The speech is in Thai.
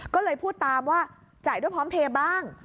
ก็เลยพูดตามว่าจ่ายด้วยพร้อมเพลย์บ้าง